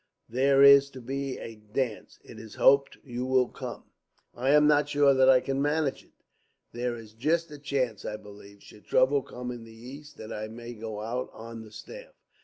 There is to be a dance. It is hoped you will come." "I am not sure that I can manage it. There is just a chance, I believe, should trouble come in the East, that I may go out on the staff."